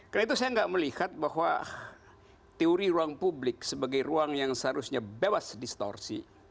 karena itu saya nggak melihat bahwa teori ruang publik sebagai ruang yang seharusnya bebas distorsi